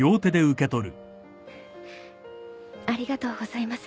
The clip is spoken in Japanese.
ありがとうございます。